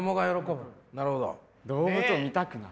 「動物を見たくなる」。